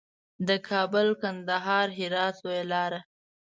د کابل، کندهار، هرات لویه لار.